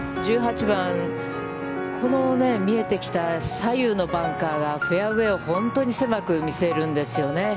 １８番、この見えてきた左右のバンカーがフェアウェイを本当に狭く見せるんですよね。